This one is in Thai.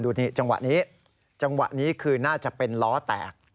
ดูนี่จังหวะนี้จังหวะนี้คือน่าจะเป็นล้อแตก